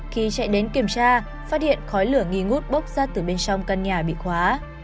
khi chạy đến kiểm tra phát hiện khói lửa nghi ngút bốc ra từ bên trong căn nhà bị khóa